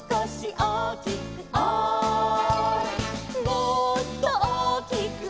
「もっと大きく」